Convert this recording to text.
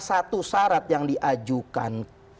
satu syarat yang diajukan